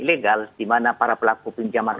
ilegal di mana para pelaku pinjaman